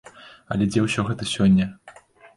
Але дзе ўсё гэта сёння?